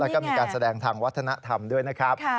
แล้วก็มีการแสดงทางวัฒนธรรมด้วยนะครับ